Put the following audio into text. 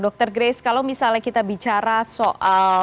dokter grace kalau misalnya kita bicara soal ya